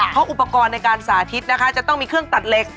เพราะอุปกรณ์ในการสาธิตนะคะจะต้องมีเครื่องตัดเหล็ก